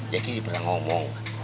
jackie pernah ngomong